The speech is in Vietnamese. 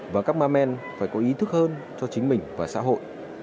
và các ma men phải có ý thức hơn cho chính mình và xã hội